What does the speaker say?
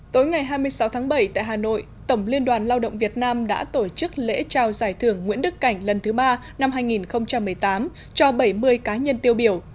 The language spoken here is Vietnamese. tối ngày hai mươi sáu tháng bảy tại hà nội tổng liên đoàn lao động việt nam đã tổ chức lễ trao giải thưởng nguyễn đức cảnh lần thứ ba năm hai nghìn một mươi tám cho bảy mươi cá nhân tiêu biểu